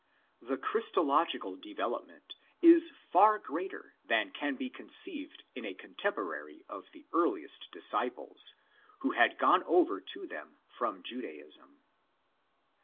The Christological development is far greater than can be conceived in a contemporary of the earliest disciples, who had gone over to them from Judaism.